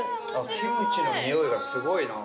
キムチのにおいがすごいな。